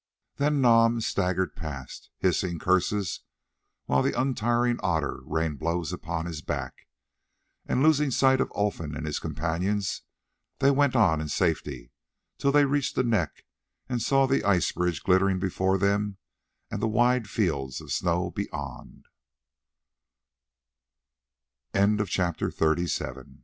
Then Nam staggered past her, hissing curses, while the untiring Otter rained blows upon his back, and losing sight of Olfan and his companions they went on in safety, till they reached the neck and saw the ice bridge glittering before them and the wide fields of snow beyond. Chapter XXXVIII. TH